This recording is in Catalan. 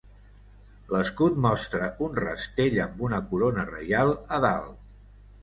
L'escut mostra un rastell amb una corona reial a dalt.